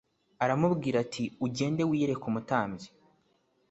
aramubwira ati ugende wiyereke umutambyi